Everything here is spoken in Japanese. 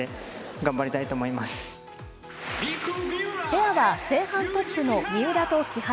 ペアは前半トップの三浦と木原。